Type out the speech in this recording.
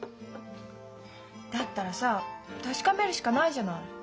だったらさ確かめるしかないじゃない。